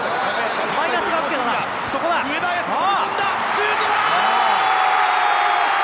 シュートだ！